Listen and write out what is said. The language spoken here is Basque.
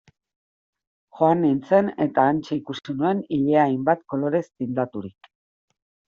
Joan nintzen eta hantxe ikusi nuen ilea hainbat kolorez tindaturik...